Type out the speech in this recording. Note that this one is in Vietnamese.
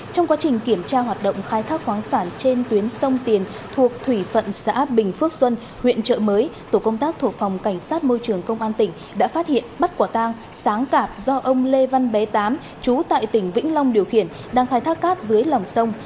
trong quá trình kiểm tra hoạt động khai thác khoáng sản trên tuyến sông tiền thuộc thủy phận xã bình phước xuân huyện trợ mới tổ công tác thuộc phòng cảnh sát môi trường công an tỉnh đã phát hiện bắt quả tang sáng tạp do ông lê văn bé tám chú tại tỉnh vĩnh long điều khiển đang khai thác cát dưới lòng sông